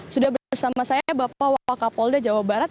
sudah bersama saya bapak wakapolda jawa barat